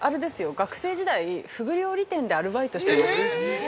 学生時代、ふぐ料理店でアルバイトしてました。